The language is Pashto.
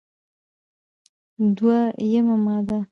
دوه یمه ماده: